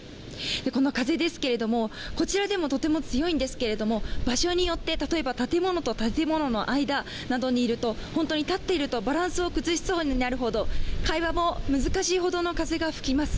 この風ですけども、こちらでもとても強いんですけども場所によって、例えば建物と建物の間などにいると本当に立っているとバランスを崩しそうになるほど会話も難しいほどの風が吹きます。